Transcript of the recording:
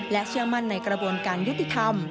เชื่อมั่นในกระบวนการยุติธรรม